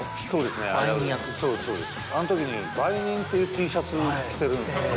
あのときに「売人」っていうＴシャツ着てるんですよ。